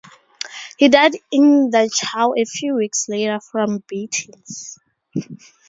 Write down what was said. He died in Dachau a few weeks later, from beatings.